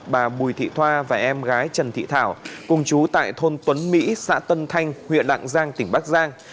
bà bùi thị thoa và em gái trần thị thảo cùng chú tại thôn tuấn mỹ xã tân thanh huyện lạng giang tỉnh bắc giang